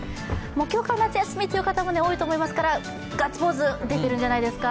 今日から夏休みという方も多いと思いますからガッツポーズ、出てるんじゃないですか。